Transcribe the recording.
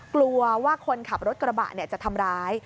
กลัวว่าคนขับรถกระบะจะทำร้าย